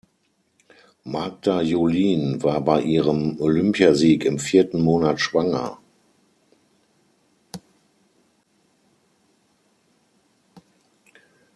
Magda Julin war bei ihrem Olympiasieg im vierten Monat schwanger.